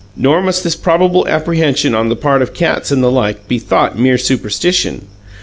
Nor must this probable apprehension on the part of cats and the like be thought mere superstition.